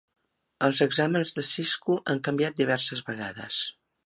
Els exàmens de Cisco han canviat diverses vegades.